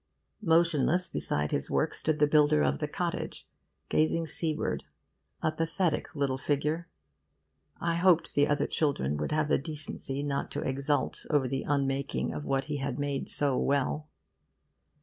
Motionless beside his work stood the builder of the cottage, gazing seaward, a pathetic little figure. I hoped the other children would have the decency not to exult over the unmaking of what he had made so well.